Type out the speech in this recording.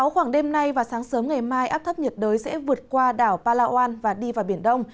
khoảng đêm nay và sáng sớm ngày mai áp thấp nhiệt đới sẽ vượt qua đảo palawan và đi vào biển đông